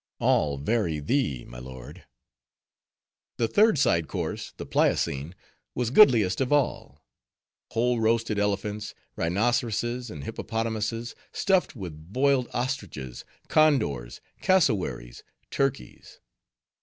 All very thee, my lord. The third side course, the pliocene, was goodliest of all:—whole roasted elephants, rhinoceroses, and hippopotamuses, stuffed with boiled ostriches, condors, cassowaries, turkeys.